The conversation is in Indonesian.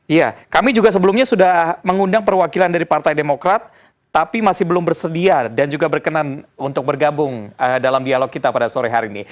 iya kami juga sebelumnya sudah mengundang perwakilan dari partai demokrat tapi masih belum bersedia dan juga berkenan untuk bergabung dalam dialog kita pada sore hari ini